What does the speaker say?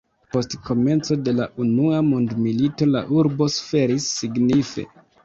Post komenco de la Unua Mondmilito la urbo suferis signife.